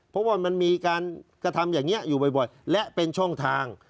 เพราะว่ามันมีการกระทำอย่างนี้อยู่บ่อยและเป็นช่องทาง